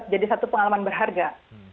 jadi satu pengalaman berharga